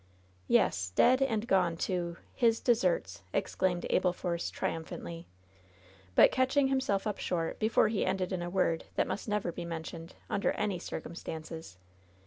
"Yes, dead and gone to — his deserts !" exclaimed Abel Force, triumphantly ; but catching himself up short, be fore he ended in a word that must never be mentioned, under any circumstances.